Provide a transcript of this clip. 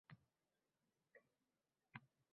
“Puling qayda?” – “Pulim sharobxonada”